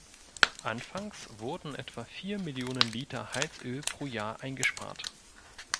Anfangs wurden etwa vier Millionen Liter Heizöl pro Jahr eingespart.